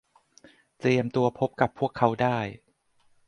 เตรียมตัวพบกับพวกเขาได้